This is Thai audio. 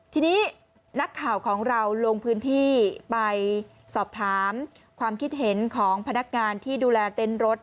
ทีนี้นักข่าวของเราลงพื้นที่ไปสอบถามความคิดเห็นของพนักงานที่ดูแลเต้นรถ